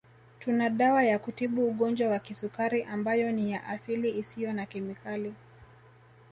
Tuna dawa ya kutibu Ugonjwa wa Kisukari ambayo ni ya asili isiyo na kemikali